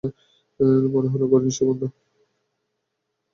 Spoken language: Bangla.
মনে হল, ঘড়ি নিশ্চয় বন্ধ।